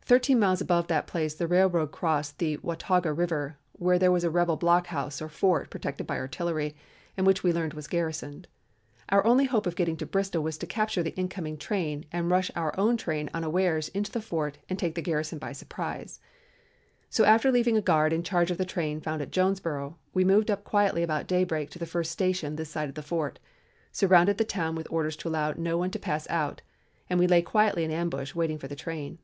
Thirteen miles above that place the railroad crossed the Watauga River, where there was a rebel blockhouse or fort protected by artillery, and which we learned was garrisoned. Our only hope of getting to Bristol was to capture the incoming train and rush our own train unawares into the fort and take the garrison by surprise. So after leaving a guard in charge of the train found at Jonesboro, we moved up quietly about day break to the first station this side of the fort, surrounded the town with orders to allow no one to pass out, and we lay quietly in ambush waiting for the train.